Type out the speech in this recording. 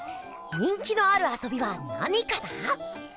人気のあるあそびは何かな？